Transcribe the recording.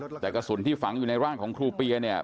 แต่กระสุนที่ฝังอยู่ในร่างของครูเปียเนี่ย